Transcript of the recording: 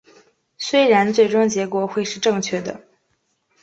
虽然最终结果会是正确的